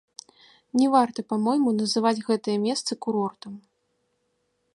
Не варта, па-мойму, называць гэтыя месцы курортам.